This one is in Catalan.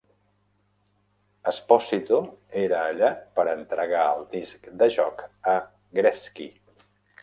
Esposito era allà per entregar el disc de joc a Gretzky.